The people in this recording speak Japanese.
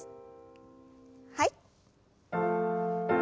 はい。